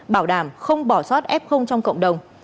bảo đảm không bỏ sót f trong cộng đồng